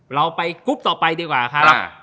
เราไปกรุ๊ปต่อไปดีกว่าครับ